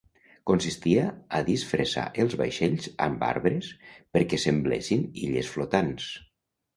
Consistia a disfressar els vaixells amb arbres perquè semblessin illes flotants.